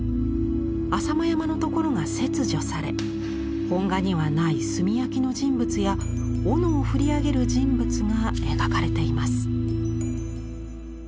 浅間山のところが切除され本画にはない炭焼きの人物や斧を振り上げる人物が描かれています。